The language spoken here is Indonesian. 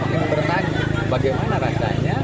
yang bertanya bagaimana rasanya